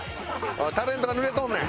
おいタレントがぬれとんねん。